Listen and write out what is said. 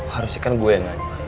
harusnya kan gue yang nanya